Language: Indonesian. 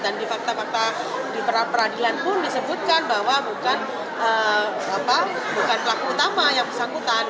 dan di fakta fakta di peradilan pun disebutkan bahwa bukan pelaku utama yang bersangkutan